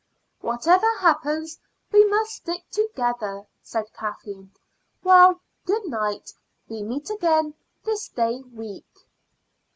"Whatever happens, we must stick together," said Kathleen. "Well, good night; we meet again this day week."